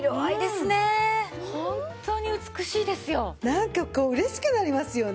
なんかこう嬉しくなりますよね。